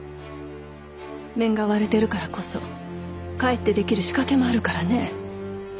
面が割れてるからこそかえってできる仕掛けもあるからね。